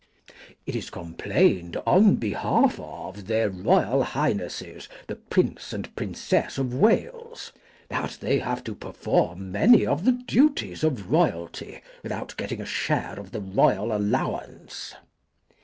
It is complained on behalf of their Royal Highnesses the Prince and Princess of Wales that they have to perform many of the duties of royalty without getting a share of the royal allowance.